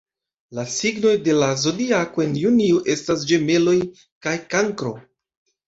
La signoj de la Zodiako en junio estas Ĝemeloj kaj Kankro.